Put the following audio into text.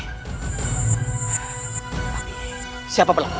tapi siapa pelakunya